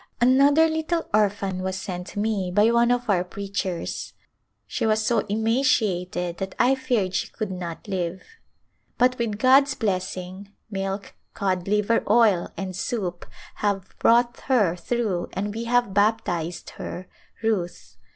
"Another little orphan was sent me by one of our preachers. She was so emaciated that I feared she could not live, but with God's blessing, milk, cod liver oil and soup have brought her through and we have baptized her, Ruth.